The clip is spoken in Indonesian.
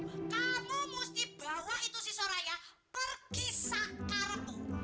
mau tau kamu mesti bawa itu si soraya pergi sakarmo